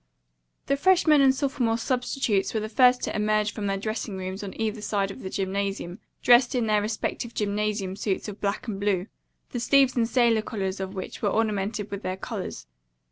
The freshmen and sophomore substitutes were the first to emerge from their dressing rooms on either side of the gymnasium, dressed in their respective gymnasium suits of black and blue, the sleeves and sailor collars of which were ornamented with their colors.